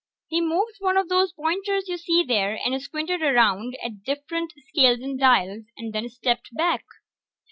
He moved one of those pointers you see there, and squinted around at the different scales and dials, and then stepped back.